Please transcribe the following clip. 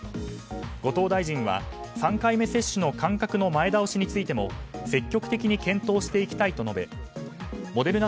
後藤大臣は３回目接種の間隔の前倒しについても積極的に検討していきたいと述べモデルナ